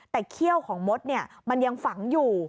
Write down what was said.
แต่เขี้ยวของมดมันยังฝังอยู่